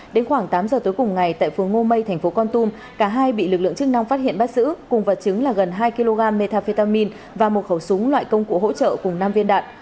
đến khoảng tám giờ tối cùng ngày tại phường ngô mây thành phố con tum cả hai bị lực lượng chức năng phát hiện bắt giữ cùng vật chứng là gần hai kg metafetamin và một khẩu súng loại công cụ hỗ trợ cùng năm viên đạn